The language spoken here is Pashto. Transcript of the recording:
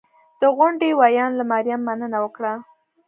د غونډې ویاند له مریم مننه وکړه